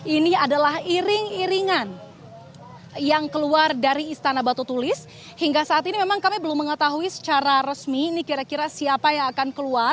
ini adalah iring iringan yang keluar dari istana batu tulis hingga saat ini memang kami belum mengetahui secara resmi ini kira kira siapa yang akan keluar